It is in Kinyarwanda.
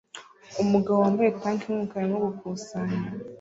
Umugabo wambaye tanki yumukara arimo gukusanya